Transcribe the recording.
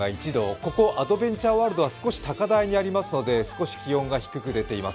ここアドベンチャーワールドは少し高台にありますので少し気温が低く出ています。